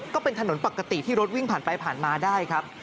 ก็เป็นถนนปกติที่รถวิ่งผ่านไปผ่านมาได้ครับ